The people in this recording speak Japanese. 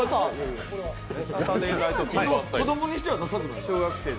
子供にしてはダサくない？